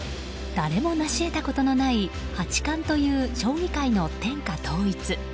誰もなし得たことのない八冠という将棋界の天下統一。